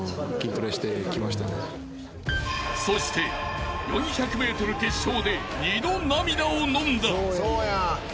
［そして４００ｍ決勝で２度涙をのんだ］